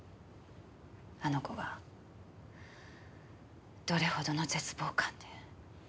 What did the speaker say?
あの子がどれほどの絶望感で。